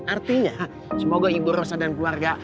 artinya semoga ibu rosa dan keluarga